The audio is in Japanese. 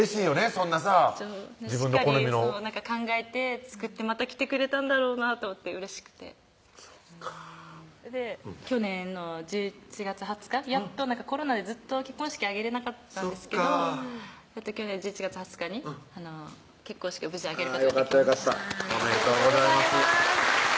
そんなさ自分の好みのそう考えて作ってまた来てくれたんだろうなと思ってうれしくてそっか去年の１１月２０日コロナでずっと結婚式挙げれなかったんですけどやっと去年１１月２０日に結婚式を無事挙げることができましたおめでとうございます